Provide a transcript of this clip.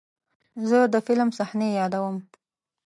زه د فلم صحنې یادوم.